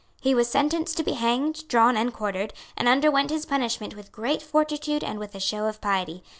He was sentenced to be hanged, drawn and quartered, and underwent his punishment with great fortitude and with a show of piety.